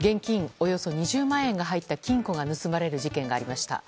およそ２０万円が入った金庫が盗まれる事件がありました。